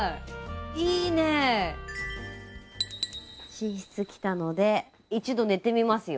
寝室来たので一度寝てみますよ。